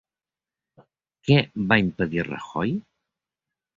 Què va impedir Rajoy?